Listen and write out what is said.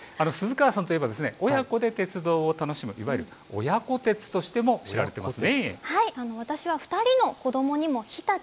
鈴川さんといえば親子で鉄道楽しむ、いわゆる親子鉄としても知られています。